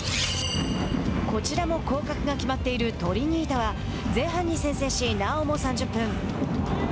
こちらも降格が決まっているトリニータは前半に先制しなおも３０分。